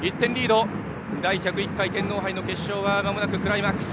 第１０１回天皇杯の決勝はまもなくクライマックス。